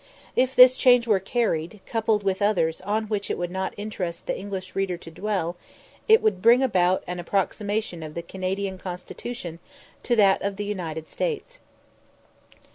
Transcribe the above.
If this change were carried, coupled with others on which it would not interest the English reader to dwell, it would bring about an approximation of the Canadian Constitution to that of the United States.